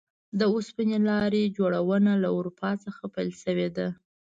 د اوسپنې لارې جوړونه له اروپا څخه پیل شوې ده.